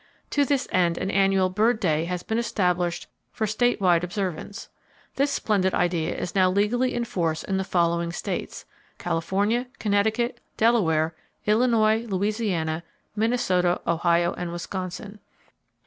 To this end, an annual "Bird Day" has been established for state wide observance. This splendid idea is now legally in force in the following states: California, Connecticut, Delaware, Illinois, Louisiana, Minnesota, Ohio and Wisconsin.